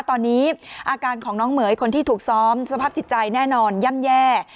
ตอนนี้อาการของน้องเหม๋ยคนที่ถูกซ้อมสภาพจิตใจแน่นอนย่ำแย่